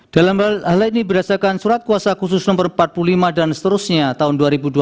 dalam hal ini berdasarkan surat kuasa khusus no empat puluh lima dan seterusnya tahun dua ribu dua puluh